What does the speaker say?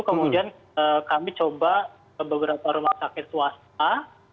kemudian kami coba ke beberapa rumah sakit swasta